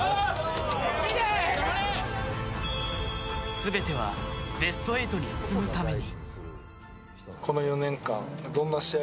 全てはベスト８に進むために。